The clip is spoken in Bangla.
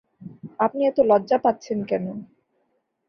আপনি এত লজ্জা পাচ্ছেন কেন?